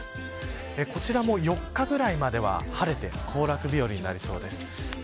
こちらも４日ぐらいまでは晴れて行楽日和になりそうです。